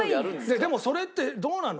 でもそれってどうなの？